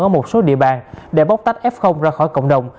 ở một số địa bàn để bóc tách f ra khỏi cộng đồng